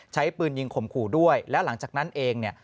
ใช้ปืนยิงข่มขู่ด้วยแล้วหลังจากนั้นเองเนี่ย